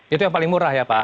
itu yang paling murah ya pak